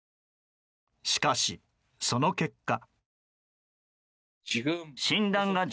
しかし、その結果。